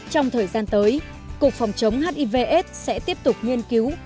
trong thời gian tới cục phòng chống hivs sẽ tiếp tục nghiên cứu